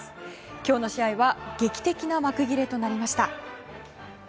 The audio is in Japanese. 今日の試合は劇的な幕切れとなりました。